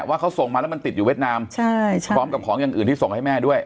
ว่าเขาส่งมาแล้วมันติดอยู่เวียดนามใช่ใช่พร้อมกับของอย่างอื่นที่ส่งให้แม่ด้วย